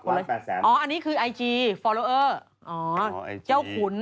วาง๘แสนอ๋ออันนี้คือไอจีฟอลโลเออร์